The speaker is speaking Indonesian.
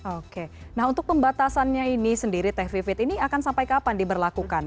oke nah untuk pembatasannya ini sendiri teh vivit ini akan sampai kapan diberlakukan